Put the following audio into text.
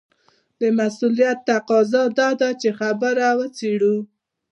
د مسووليت تقاضا دا ده چې خبره وڅېړو.